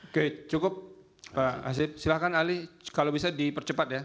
oke cukup pak asid silahkan ali kalau bisa dipercepat ya